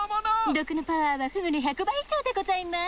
毒のパワーはフグの１００倍以上でございます。